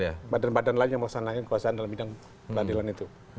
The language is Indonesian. badan badan lain yang melaksanakan kekuasaan dalam bidang peradilan itu